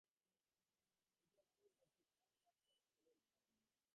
It was said that a town's person started the firing.